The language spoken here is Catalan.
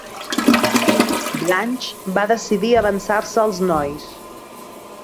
Blanche va decidir avançar-se als nois.